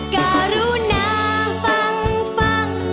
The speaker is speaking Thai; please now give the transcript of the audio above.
ก็รู้นะฟังฟัง